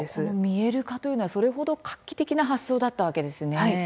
「見える化」というのはそれほど画期的な発想だったわけですね。